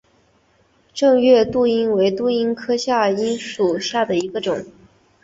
滇越杜英为杜英科杜英属下的一个种。